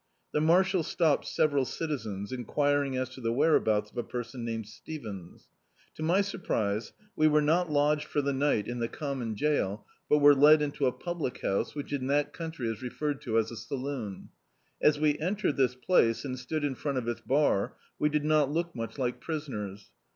The marshal stopped several citizens, enquiring as to the whereabouts of a person named Stevens. To my surprise, we were not lodged for the night in D,i.,.db, Google Law in America the common jail, but were led into a public house, which in that country is referred to as a saloon. As we entered this place, and stood in front of its bar, we did not look much like prisoners.